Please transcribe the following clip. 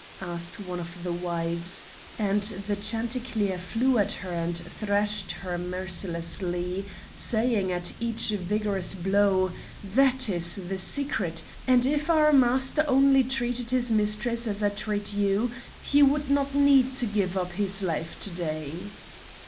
asked one of the wives; and the chanticleer flew at her and thrashed her mercilessly, saying at each vigorous blow, "That is the secret, and if our master only treated the mistress as I treat you, he would not need to give up his life to day."